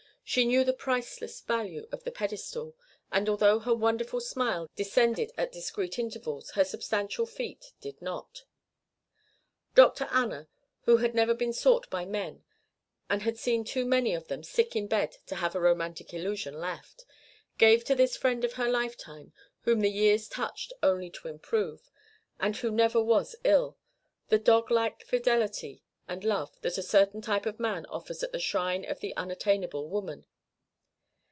She knew the priceless value of the pedestal, and although her wonderful smile descended at discreet intervals her substantial feet did not. Dr. Anna, who had never been sought by men and had seen too many of them sick in bed to have a romantic illusion left, gave to this friend of her lifetime, whom the years touched only to improve and who never was ill the dog like fidelity and love that a certain type of man offers at the shrine of the unattainable woman.